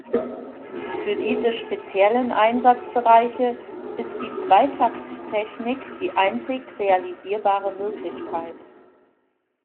Für diese speziellen Einsatzbereiche ist die Zweitakttechnik die einzig realisierbare Möglichkeit.